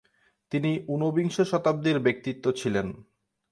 তিনি ঊনবিংশ শতাব্দীর ব্যক্তিত্ব ছিলেন।